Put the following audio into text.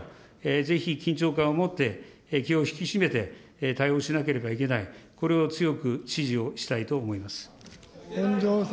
ぜひ緊張感を持って気を引き締めて対応しなければいけない、これを強く指示をしたいと思います。